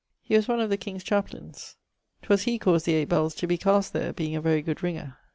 He was one of the king's chaplaines. 'Twas he caused the 8 bells to be cast there, being a very good ringer.